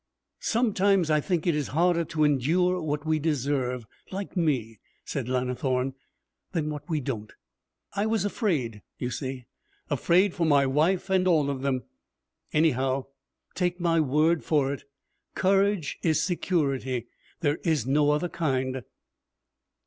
'Sometimes I think it is harder to endure what we deserve, like me,' said Lannithorne, 'than what we don't. I was afraid, you see, afraid for my wife and all of them. Anyhow, take my word for it. Courage is security. There is no other kind.'